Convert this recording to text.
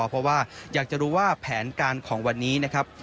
เพราะว่าอยากจะรู้ว่าแผนการของวันนี้นะครับ